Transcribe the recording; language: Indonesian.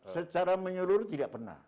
secara menyeluruh tidak pernah